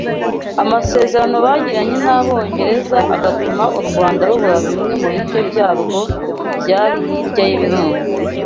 nk’amasezerano bagiranye n’Abongereza agatuma u Rwanda rubura bimwe mu bice byarwo byari hirya y’Ibirunga